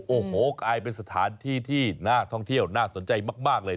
โอ้โหกลายเป็นสถานที่ที่น่าท่องเที่ยวน่าสนใจมากเลย